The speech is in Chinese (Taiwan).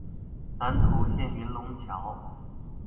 南投縣雲龍橋